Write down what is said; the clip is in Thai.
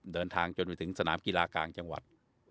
เดินทางจนไปถึงสนามกีฬากลางจังหวัด